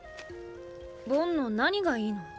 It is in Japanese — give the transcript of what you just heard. ボンの何がいいの？